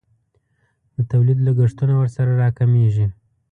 د تولید لګښتونه ورسره راکمیږي.